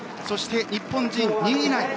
そして、日本人２位以内。